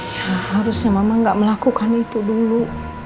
ya harusnya mama nggak melakukan itu dulu